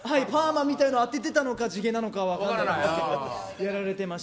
パーマみたいのを当てていたのか地毛なのかは分からないんですけど。